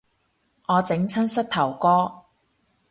我整親膝頭哥